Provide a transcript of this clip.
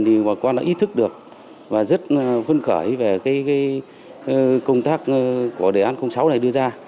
thì bà con đã ý thức được và rất phấn khởi về công tác của đề án sáu này đưa ra